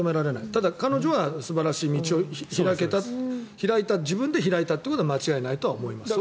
ただ彼女は素晴らしい道を自分で開いたことは間違いないと思います。